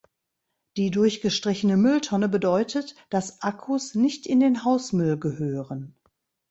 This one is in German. Die durchgestrichene Mülltonne bedeutet, dass Akkus nicht in den Hausmüll gehören.